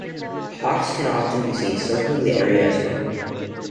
Hawks can often be seen circling the area as well.